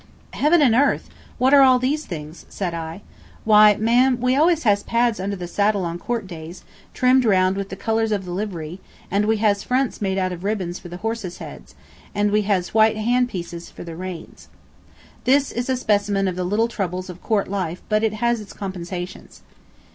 "Heavens and earth! what are all these things?" said I. "Why, ma'am, we always has pads under the saddle on Court Days, trimmed round with the colors of the livery, and we has fronts made of ribbin for the horses' heads, and we has white hand pieces for the reins." This is a specimen of the little troubles of court life, but it has its compensations.